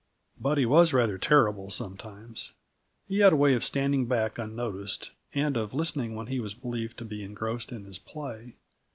Buddy was rather terrible, sometimes. He had a way of standing back unnoticed, and of listening when he was believed to be engrossed in his play.